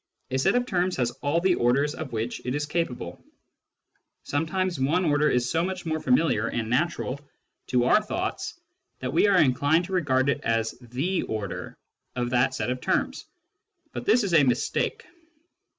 A set of terms has all the orders of which it is capable. Some times one order is so much more familiar and natural to our 29 3<3 Introduction to Mathematical Philosophy thoughts that we are inclined to regard it as the order of that set of terms ; but this is a mistake.